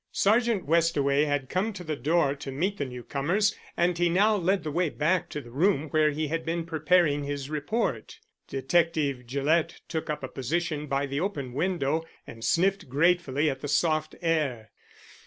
Sergeant Westaway had come to the door to meet the new comers, and he now led the way back to the room where he had been preparing his report. Detective Gillett took up a position by the open window, and sniffed gratefully at the soft air.